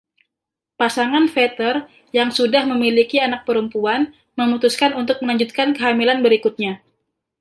Pasangan Vetter, yang sudah memiliki anak perempuan, memutuskan untuk melanjutkan kehamilan berikutnya.